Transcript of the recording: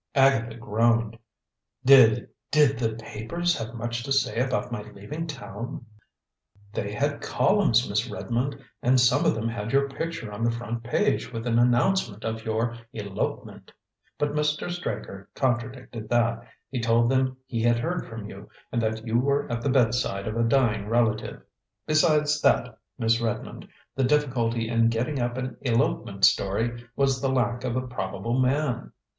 Agatha groaned. "Did did the papers have much to say about my leaving town?" "They had columns, Miss Redmond, and some of them had your picture on the front page with an announcement of your elopement. But Mr. Straker contradicted that; he told them he had heard from you, and that you were at the bedside of a dying relative. Besides that, Miss Redmond, the difficulty in getting up an elopement story was the lack of a probable man.